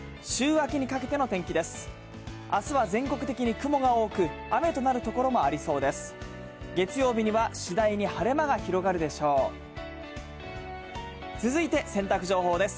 あすは全国的に雲が多く、雨となる所もありそうです。